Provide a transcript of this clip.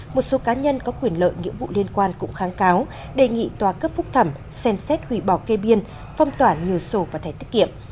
một số cá nhân có quyền lợi nghĩa vụ liên quan cũng kháng cáo đề nghị tòa cấp phúc thẩm xem xét hủy bỏ kê biên phong tỏa nhiều sổ và thẻ tiết kiệm